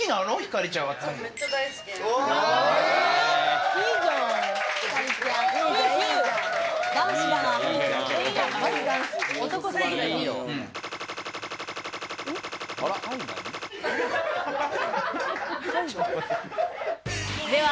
めっちゃ大好きです。